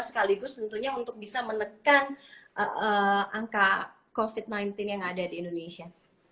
sekaligus tentunya untuk bisa menekan angka covid sembilan belas yang ada di indonesia